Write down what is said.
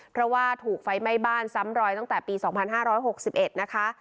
เพราะว่าถูกไฟไหม้บ้านซ้ำรอยตั้งแต่ปี๒๕๖๑นะคะ